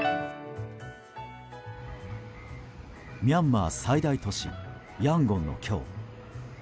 ミャンマー最大都市ヤンゴンの今日。